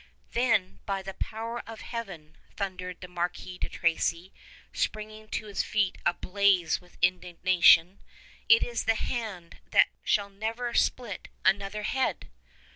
"Then by the power of Heaven," thundered the Marquis de Tracy, springing to his feet ablaze with indignation, "it is the hand that shall never split another head!"